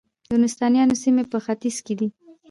د نورستانیانو سیمې په ختیځ کې دي